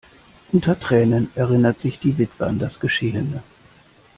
Unter Tränen erinnert sich die Witwe an das Geschehene.